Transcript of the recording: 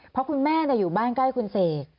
เพราะคุณแม่อยู่บ้านใกล้คุณเสก